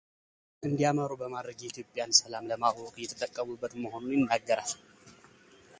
እንዲያመሩ በማድረግ የኢትዮጵያን ሰላም ለማወክ እየተጠቀሙበት መሆኑን ይናገራል።